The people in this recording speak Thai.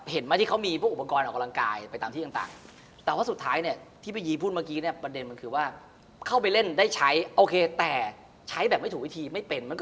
เห็นมาที่เขามีพวกอุปกรณ์ออกกำลังกายไปตามที่ต่าง